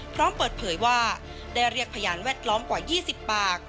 พร้อมเปิดเผยว่าได้เรียกพยานแวดล้อมกว่า๒๐ปาก